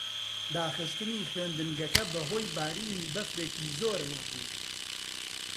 داخستنی خوێندنگە بەهۆی بارینی بەفرێکی زۆرەوە بوو.